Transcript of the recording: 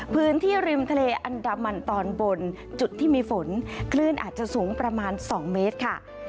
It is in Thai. พื้นที่ริมทะเลอันดามันตอนบนจุดที่มีฝนคลื่นอาจจะสูงประมาณ๒เมตรค่ะ